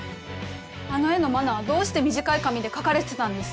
あの絵の真菜はどうして短い髪で描かれてたんです？